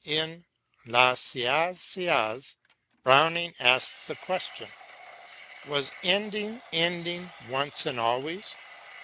In " La Saisiaz " Browning asks the question, " Was ending ending once and always